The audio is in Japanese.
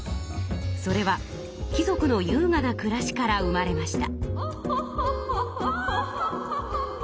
それは貴族のゆうがなくらしから生まれました。